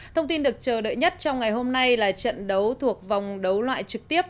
thông tin được chờ đợi nhất trong ngày hôm nay là trận đấu thuộc vòng đấu loại trực tiếp